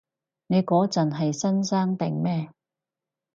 你嗰陣係新生定咩？